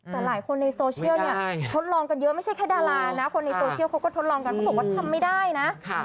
แต่หลายคนในโซเชียลเนี่ยทดลองกันเยอะไม่ใช่แค่ดารานะคนในโซเชียลเขาก็ทดลองกันเขาบอกว่าทำไม่ได้นะ